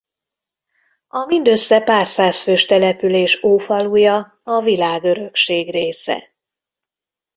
A mindössze pár száz fős település ófaluja a világörökség része.